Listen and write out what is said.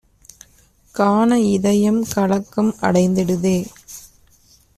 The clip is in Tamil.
காண இதயம் கலக்கம் அடைந்திடுதே!